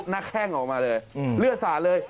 แข้งออกมาเลยเลือดสาดเลย